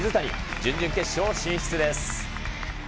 準々決勝進出です。